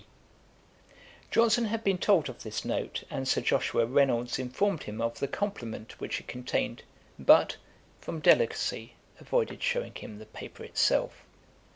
' 'P.' Johnson had been told of this note; and Sir Joshua Reynolds informed him of the compliment which it contained, but, from delicacy, avoided shewing him the paper itself.